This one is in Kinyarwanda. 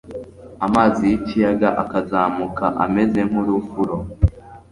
amazi y'ikiyaga akazamuka ameze nk'urufuro